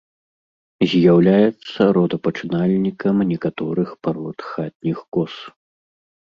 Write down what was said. З'яўляецца родапачынальнікам некаторых парод хатніх коз.